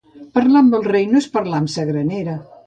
Parlar amb el rei no és parlar amb sa granera.